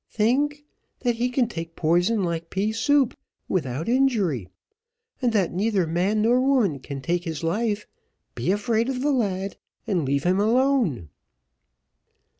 "Think! that he can take poison like pea soup, without injury, and that neither man nor woman can take his life; be afraid of the lad, and leave him alone."